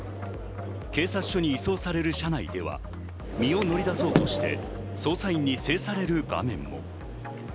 警察署に移送される車内では、身を乗り出そうとして捜査員に制される場面も。